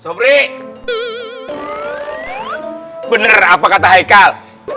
sobri bener apa kata haikal